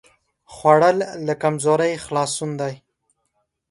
خوړل له کمزورۍ خلاصون دی